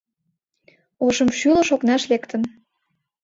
Ошымшӱлыш, окнаш лектын